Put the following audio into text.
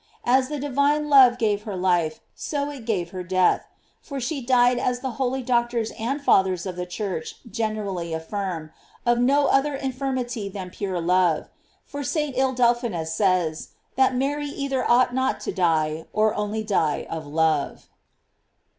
As the divine love gave her life, so it gave her death; for she died as the holy Doc tors and Fathers of the Church generally affirm, of no other infirmity than pure love; for St. II dephonsus says, that Mary either ought not to die, or only die of love.